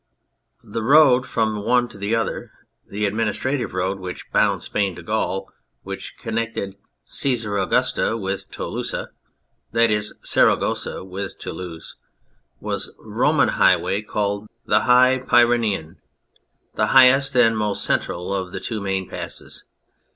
The road from the one to the other, the administrative road which bound Spain to Gaul, which connected Caesaraugusta with Tolosa, that is, Saragossa with Toulouse, was Roman Highway, called "the High Pyrenean," the highest and most central of the two main passes.